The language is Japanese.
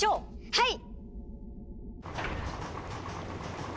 はい！